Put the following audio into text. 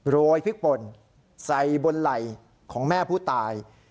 โรยพริกป่นใส่บนไหล่ของแม่ผู้ตาย